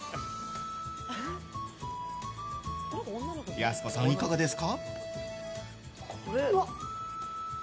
やす子さん、いかがですか？